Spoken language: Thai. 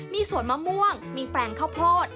มีสวนมะม่วงมีแปลงข้าวโพด